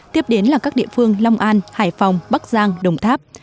tiếp đến là các địa phương long an hải phòng bắc giang đồng tháp